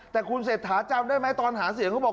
แต่คุณเศรษฐาจำได้ไหมตอนหาเสียงเขาบอก